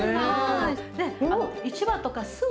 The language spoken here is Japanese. はい。